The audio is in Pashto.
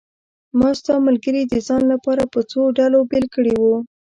ما ستا ملګري د ځان لپاره په څو ډلو بېل کړي وو.